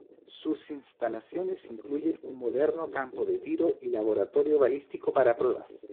Sus instalaciones incluyen un moderno campo de tiro y laboratorio balístico para pruebas.